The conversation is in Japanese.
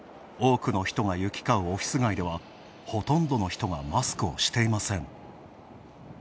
多くの人が行き交うオフィス街ではほとんどの人がマスクをしていません。